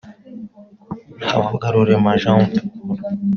Havugarurema Jean Paul